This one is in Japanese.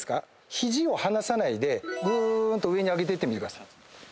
肘を離さないでぐーんと上に上げてってみてください。